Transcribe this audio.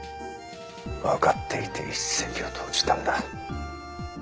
分かっていて一石を投じたんだ。